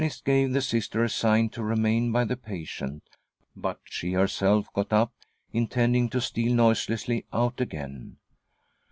■ The Salvationist gave the Sister a sign to remain by the patient, but she herself got up, intending to steal noiselessly out again.